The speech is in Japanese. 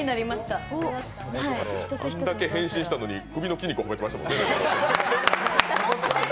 あんだけ変身したのに首の筋肉褒めてましたもんね。